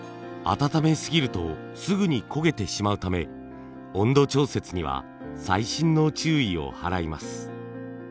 温めすぎるとすぐに焦げてしまうため温度調節には細心の注意を払います。